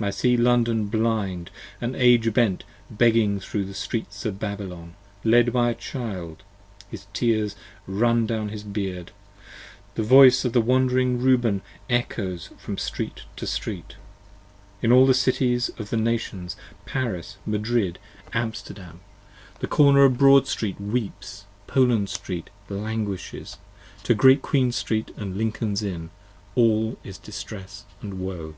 I see London blind & age bent begging thro' the Streets Of Babylon, led by a child, his tears run down his beard. The voice of Wandering Reuben ecchoes from street to street, In all the Cities of the Nations, Paris, Madrid, Amsterdam. 104 15 The Corner of Broad Street weeps; Poland Street languishes To Great Queen Street & Lincoln's Inn: all is distress & woe.